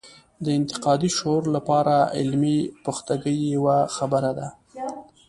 د انتقادي شعور لپاره علمي پختګي یوه خبره ده.